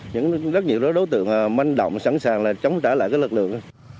những rất nhiều đối tượng manh động sẵn sàng là chống trả lại các lực lượng